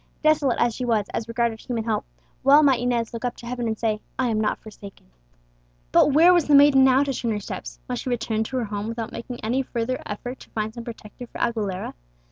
Desolate as she was, as regarded human help, well might Inez look up to heaven and say, "I am not forsaken." But where was the maiden now to turn her steps? Must she return to her home without making any further effort to find some protector for Aguilera?